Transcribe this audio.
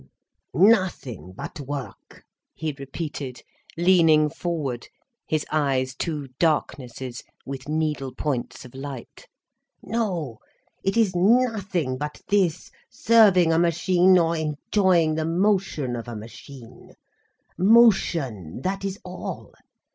"Nothing but work!" he repeated, leaning forward, his eyes two darknesses, with needle points of light. "No, it is nothing but this, serving a machine, or enjoying the motion of a machine—motion, that is all.